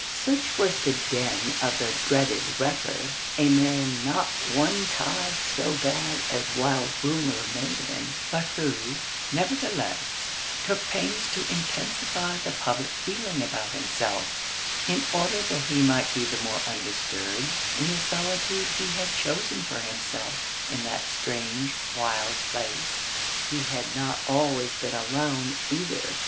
Such was the den of the dreaded wrecker, a man not one tithe so bad as wild rumour made him, but who, nevertheless, took pains to intensify the public feeling about himself, in order that he might be the more undisturbed in the solitude he had chosen for himself in that strange, wild place. He had not always been alone, either.